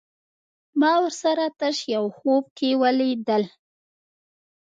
ما ورسره تش يو خوب کې وليدل